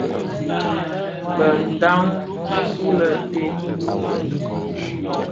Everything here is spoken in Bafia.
Bë ndhaň usu lè stè ?